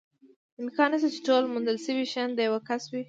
امکان نشته، چې ټول موندل شوي شیان د یوه کس وي.